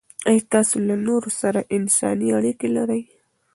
آیا تاسې له نورو سره انساني اړیکې لرئ؟